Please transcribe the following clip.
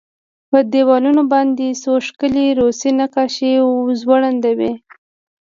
په دېوالونو باندې څو ښکلې روسي نقاشۍ ځوړندې وې